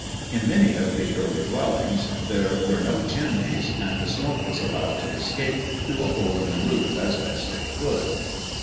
In many of the early dwellings there were no chimneys, and the smoke was allowed to escape through a hole in the roof as best it could.